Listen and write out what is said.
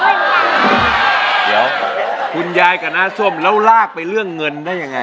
เดี๋ยวคุณยายกับน้าส้มแล้วลากไปเรื่องเงินได้ยังไง